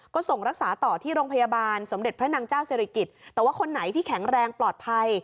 ก็ส่งรักษาต่อที่โรงพยาบาลสมเด็จพระนางเจ้าศิริกิจแต่ว่าคนไหนที่แข็งแรงปลอดภัย